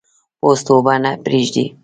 پوست اوبه نه پرېږدي.